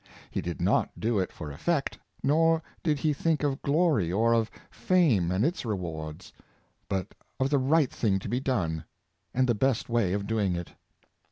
He did not do it for effect, nor did he think of glor}^ or of fame and its rewards; but of the right thing to be done, and the best way of doing it.